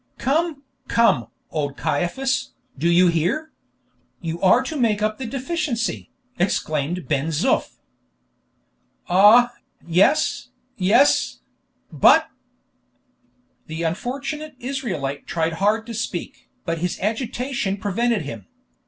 "Come, come, old Caiaphas, do you hear? You are to make up the deficiency," exclaimed Ben Zoof. "Ah, yes, yes; but " The unfortunate Israelite tried hard to speak, but his agitation prevented him.